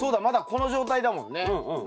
まだこの状態だもんね。